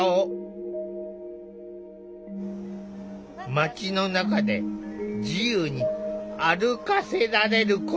街の中で自由に歩かせられること。